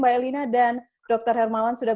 mbak elina dan dr hermawan sudah